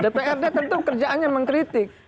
dprd tentu kerjaannya mengkritik